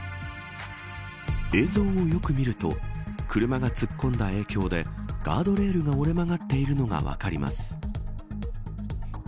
映像をよく見ると車が突っ込んだ影響でガードレールが折れ曲がっているのが分かります。